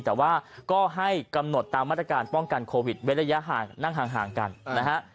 แต่ว่าก็ให้กำหนดตามมาตรการป้องกันโควิดเว้นระยะห่างนั่งห่างกันนะฮะ